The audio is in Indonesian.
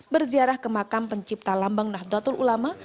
berziarah ke makam pencipta lambang nahdlatul ulama